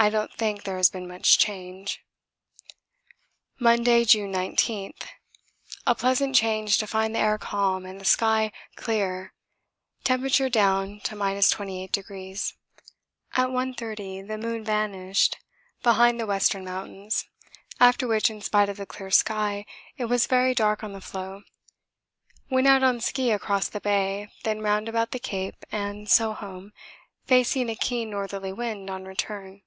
I don't think there has been much change. Monday, June 19. A pleasant change to find the air calm and the sky clear temperature down to 28°. At 1.30 the moon vanished behind the western mountains, after which, in spite of the clear sky, it was very dark on the floe. Went out on ski across the bay, then round about the cape, and so home, facing a keen northerly wind on return.